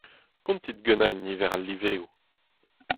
Kontit ganin niver al liveoù.